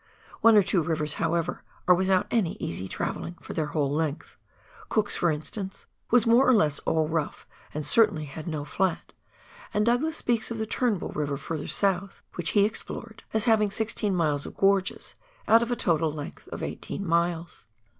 One or two rivers, however, are without any easy travelling for their whole length ; Cook's, for instance, was more or less all rough, and certainly had no flat ; and Douglas speaks of the TurnbuU River further south — which he explored — as having 16 miles of gorges out of a total length of 18 miles.